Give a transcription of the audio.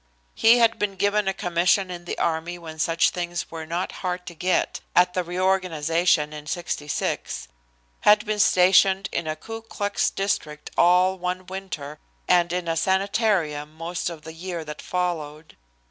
He had been given a commission in the army when such things were not hard to get at the reorganization in '66, had been stationed in a Ku Klux district all one winter and in a sanitarium most of the year that followed.